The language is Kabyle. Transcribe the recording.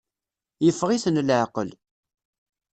Yeffeɣ-iten leɛqel.